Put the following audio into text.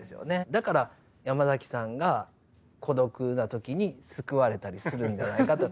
だからヤマザキさんが孤独な時に救われたりするんじゃないかと。